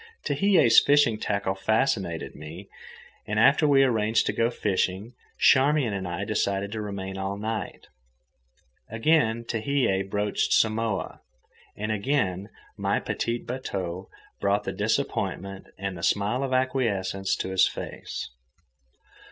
Tehei's fishing tackle fascinated me, and after we arranged to go fishing, Charmian and I decided to remain all night. Again Tehei broached Samoa, and again my petit bateau brought the disappointment and the smile of acquiescence to his face.